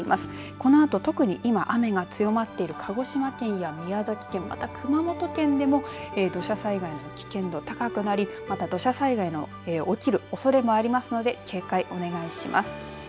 このあと特に今雨が強まっている鹿児島県や宮崎県また熊本県でも土砂災害の危険度高くなりまた土砂災害の起きるおそれもありますので警戒お願いします。